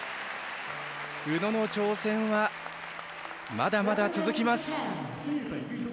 宇野の挑戦はまだまだ続きます。